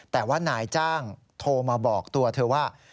แต่ว่านายจ้างโทรมาบอกตัวเธอว่า